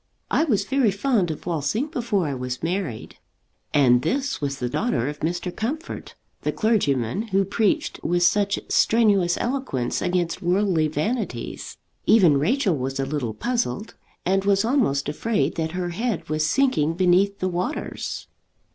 I was very fond of waltzing before I was married." And this was the daughter of Mr. Comfort, the clergyman who preached with such strenuous eloquence against worldly vanities! Even Rachel was a little puzzled, and was almost afraid that her head was sinking beneath the waters.